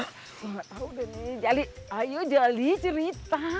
nggak tau deh nih jali ayo jali cerita